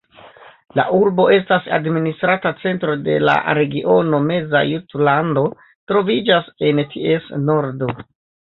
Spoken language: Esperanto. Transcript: La urbo estas administra centro de la Regiono Meza Jutlando, troviĝas en ties nordo.